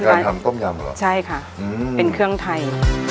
ทำต้มยำเหรอใช่ค่ะเป็นเครื่องไทย